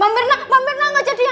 mam mirna mam mirna gak jadi amin